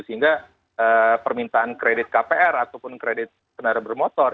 sehingga permintaan kredit kpr ataupun kredit kendaraan bermotor